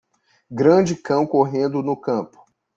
Grande cão correndo no campo.